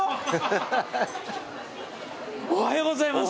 おはようございます。